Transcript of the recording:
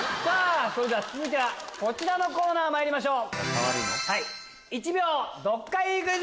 続いてはこちらのコーナーまいりましょう。